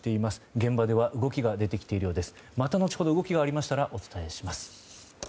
現場では動きが出てきているようです。